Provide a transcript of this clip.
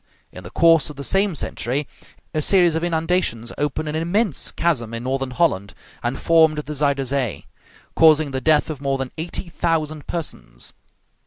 In the course of the same century, a series of inundations opened an immense chasm in northern Holland, and formed the Zuyder Zee, causing the death of more than eighty thousand persons.